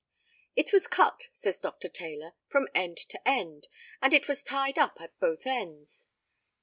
It was cut, says Dr. Taylor, from end to end, and it was tied up at both ends.